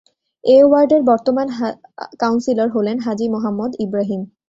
এ ওয়ার্ডের বর্তমান কাউন্সিলর হলেন হাজী মোহাম্মদ ইবরাহীম।